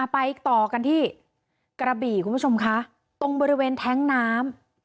ไปต่อกันที่กระบี่คุณผู้ชมคะตรงบริเวณแท้งน้ำ